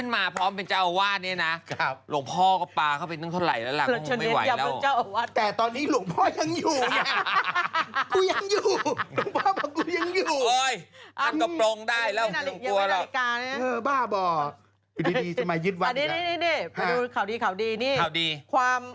ไม่น่าพูดให้หลวงพ่อใจเสียกว่า